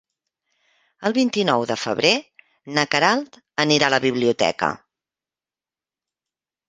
El vint-i-nou de febrer na Queralt anirà a la biblioteca.